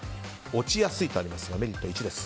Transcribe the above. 落ちやすいとありますがメリット